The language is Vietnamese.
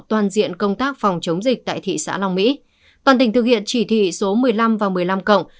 toàn diện công tác phòng chống dịch tại thị xã long mỹ toàn tỉnh thực hiện chỉ thị số một mươi năm và một mươi năm cộng